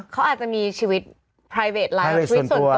เขาอาจจะมีชีวิตไพรเวทอะไรชีวิตส่วนตัวชีวิตส่วนตัวสูงนะ